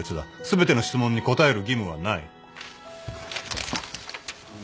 全ての質問に答える義務はない。